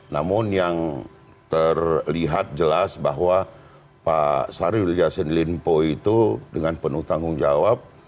namun yang terlihat jelas bahwa pak syahrul yassin limpo itu dengan penuh tanggung jawab